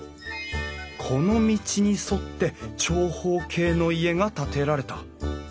この道に沿って長方形の家が建てられた。